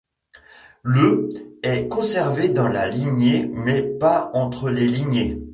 Le ' est conservé dans la lignée mais pas entre les lignées.